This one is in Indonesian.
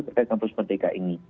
terkait kampus merdeka ini